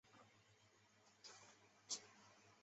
张氏是萧道成登基前的妾室。